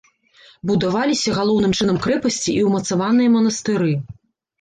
Будаваліся галоўным чынам крэпасці і ўмацаваныя манастыры.